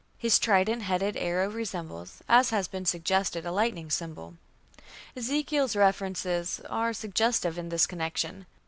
His trident headed arrow resembles, as has been suggested, a lightning symbol. Ezekiel's references are suggestive in this connection.